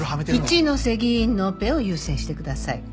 一ノ瀬議員のオペを優先してください。